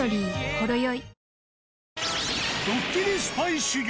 ドッキリスパイ修行。